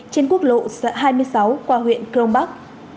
trên quốc lộ hai mươi sáu qua huyện crong bắc